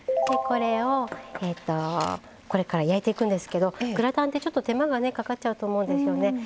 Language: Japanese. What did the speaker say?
でこれをこれから焼いていくんですけどグラタンってちょっと手間がねかかっちゃうと思うんですよね。